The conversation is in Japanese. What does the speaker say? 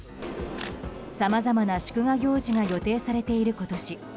さまざまな祝賀行事が予定されている今年。